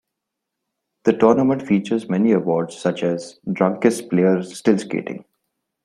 ' The tournament features many awards such as "Drunkest Player Still Skating.